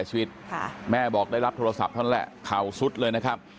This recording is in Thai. อายุ๑๐ปีนะฮะเขาบอกว่าเขาก็เห็นถูกยิงนะครับ